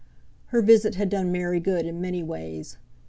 Her visit had done Mary good in many ways.